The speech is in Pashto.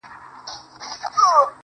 سپوږمۍ له ځانه څخه ورکه نه شې_